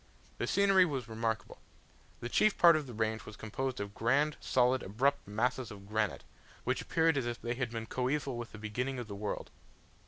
The scenery was remarkable The chief part of the range was composed of grand, solid, abrupt masses of granite, which appeared as if they had been coeval with the beginning of the world.